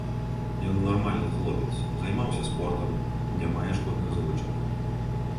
Ён нармальны хлопец, займаўся спортам, не мае шкодных звычак.